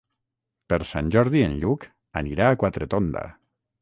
Per Sant Jordi en Lluc anirà a Quatretonda.